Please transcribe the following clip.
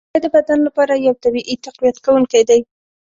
خټکی د بدن لپاره یو طبیعي تقویت کوونکی دی.